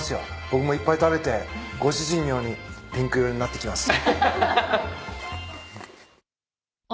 僕もいっぱい食べてご主人のようにピンク色になってきます。